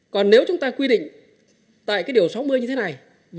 còn nếu chúng ta quy định tại cái điều sáu mươi như thế này